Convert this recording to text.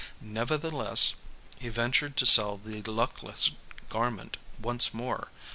Nevertheless he ventured to sell the luckless garment once more.